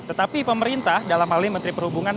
tetapi pemerintah dalam hal ini menteri perhubungan